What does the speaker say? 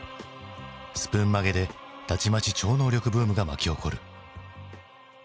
スプーン曲げでたちまち超能力ブームが巻き起こる。